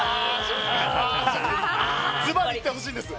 ズバリ言ってほしいんです。